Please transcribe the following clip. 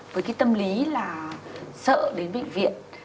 với tâm lý là sợ đến bệnh viện